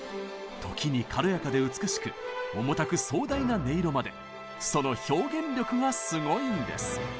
時に軽やかで美しく重たく壮大な音色までその表現力がすごいんです！